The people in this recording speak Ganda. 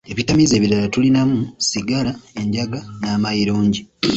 Ebitamiiza ebirala tulinamu, sigala, enjaga n'amayilungi.